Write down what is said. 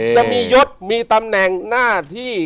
จะมียศมีตำแหน่งหน้าที่